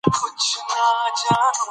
یاقوت د افغانستان د شنو سیمو ښکلا ده.